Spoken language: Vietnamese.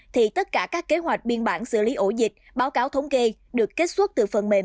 thì tất cả các kế hoạch biên bản xử lý ổ dịch báo cáo thống kê được kết xuất từ phần mềm